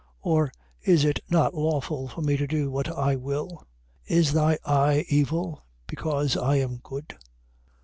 20:15. Or, is it not lawful for me to do what I will? Is thy eye evil, because I am good?